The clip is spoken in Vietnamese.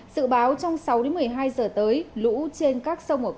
dự báo trong sáu đến một mươi hai giờ tới lũ trên các sông ở quảng nam